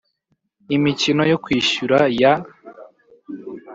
Imikino yo kwishyura ya /